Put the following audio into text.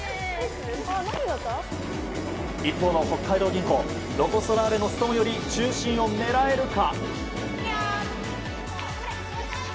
一方の北海道銀行ロコ・ソラーレのストーンより中心を狙えるか。